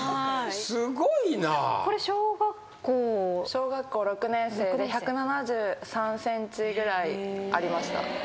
小学校６年生で１７３ｃｍぐらいありました。